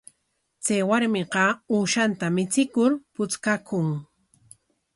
Chay warmiqa uushanta michikur puchkakun.